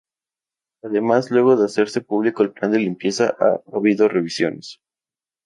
Además luego de hacerse público el plan de limpieza ha habido revisiones.